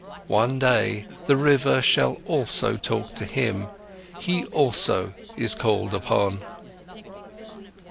One day, the river shall also talk to him, he also is called upon."